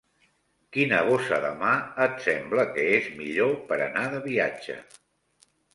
Quina bossa de mà et sembla que és millor per anar de viatge?